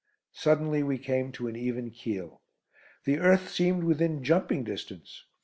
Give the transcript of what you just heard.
Suddenly we came to an even keel. The earth seemed within jumping distance.